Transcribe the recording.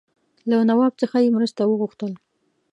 له نواب څخه یې مرسته وغوښتل.